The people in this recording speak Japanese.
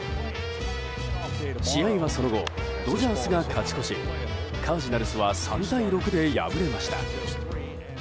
試合は、その後ドジャースが勝ち越しカージナルスは３対６で敗れました。